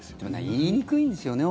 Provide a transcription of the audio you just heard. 言いにくいんですよね。